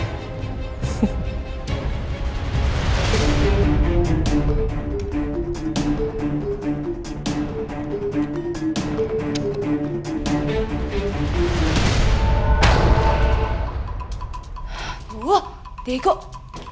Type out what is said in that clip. jadwalnya dateng jagoannya